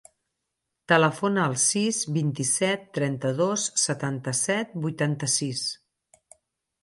Telefona al sis, vint-i-set, trenta-dos, setanta-set, vuitanta-sis.